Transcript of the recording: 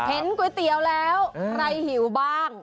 ก๋วยเตี๋ยวแล้วใครหิวบ้าง